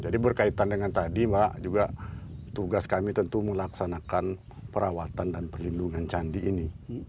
jadi berkaitan dengan tadi mbak juga tugas kami tentu melaksanakan perawatan dan perlindungan candi ini